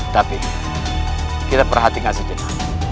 tapi kita perhatikan sedikit lagi